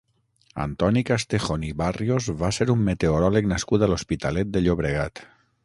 Antoni Castejón i Barrios va ser un meteoròleg nascut a l'Hospitalet de Llobregat.